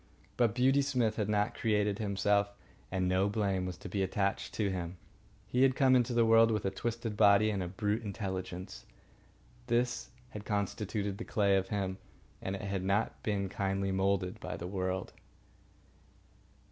But Beauty Smith had not created himself, and no blame was to be attached to him. He had come into the world with a twisted body and a brute intelligence. This had constituted the clay of him, and it had not been kindly moulded by the world.